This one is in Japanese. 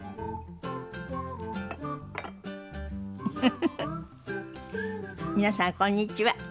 フフフフ皆さんこんにちは。